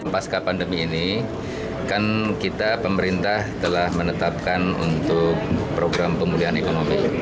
pasca pandemi ini kan kita pemerintah telah menetapkan untuk program pemulihan ekonomi